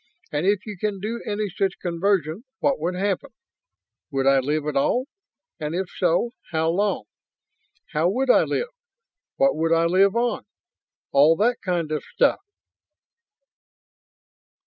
And if you can do any such conversion, what would happen? Would I live at all? And if so, how long? How would I live? What would I live on? All that kind of stuff."